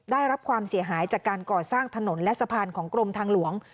ได้รับความเสียหายจากการก่อสร้างถนนและสะพานของกรมทางหลวง